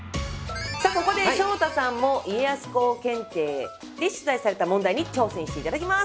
さあここで昇太さんも家康公検定で出題された問題に挑戦していただきます！